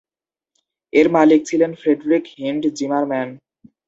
এর মালিক ছিলেন ফ্রেডরিক হিন্ড জিমারম্যান।